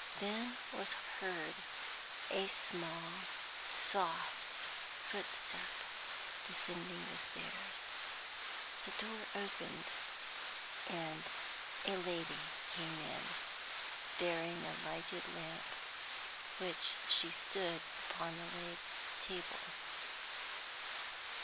Then was heard a soft footstep descending the stairs; the door opened, and a lady came in, bearing a lighted lamp, which she stood upon the table.